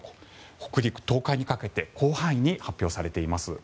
北陸、東海にかけて広範囲に発表されています。